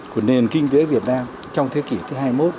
của nền kinh tế việt nam trong thế kỷ thứ hai mươi một